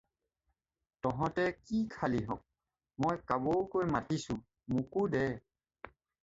তহঁতে কি খালিহঁক, মই কাবৌকৈ মাতিছোঁ মোকো দে।